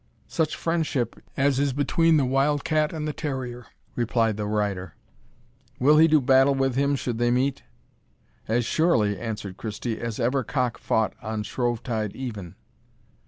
"Such friendship as is between the wild cat and the terrier," replied the rider. "Will he do battle with him should they meet?" "As surely," answered Christie, "as ever cock fought on Shrovetide even."